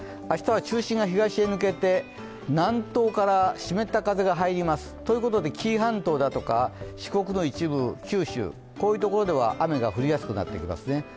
明日は中心が東へ抜けて南東から、湿った風が入ります。ということで紀伊半島、四国の一部九州、こういうところでは雨が降りやすくなっていきますね。